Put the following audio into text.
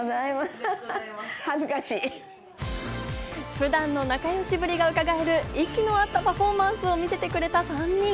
普段の仲良しぶりがうかがえる息の合ったパフォーマンスを見せてくれた３人。